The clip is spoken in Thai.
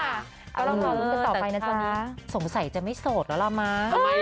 ก็เราพอมุมกันต่อไปนะค่ะสงสัยจะไม่โสดแล้วล่ะม๊า